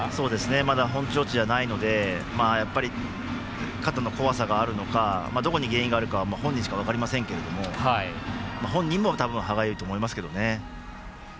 まだ本調子じゃないので肩の怖さがあるのかどこに原因があるのか本人しか分かりませんけど本人も、多分歯がゆいと思いますけどね。